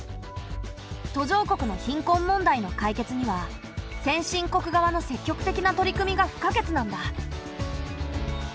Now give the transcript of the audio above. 途上国の貧困問題の解決には先進国側の積極的な取り組みが不可欠なんだ。